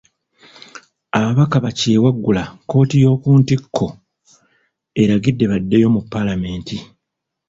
Ababaka bakyewaggula kkooti y'oku ntikko eragidde baddeyo mu paalamenti.